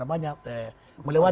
tidak akan melampaui